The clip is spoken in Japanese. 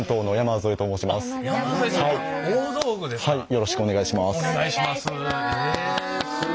よろしくお願いします。